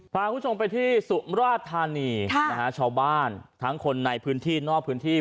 พาคุณผู้ชมไปที่สุมราชธานีนะฮะชาวบ้านทั้งคนในพื้นที่นอกพื้นที่